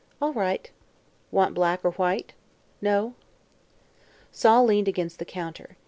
"All right." "Want black or white?" "No." Sol leaned against the counter.